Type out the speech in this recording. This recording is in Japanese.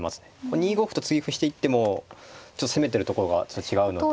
２五歩と継ぎ歩していってもちょっと攻めてるところがちょっと違うので。